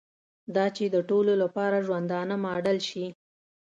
دا چې د ټولو لپاره ژوندانه ماډل شي.